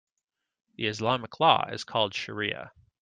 The Islamic law is called shariah.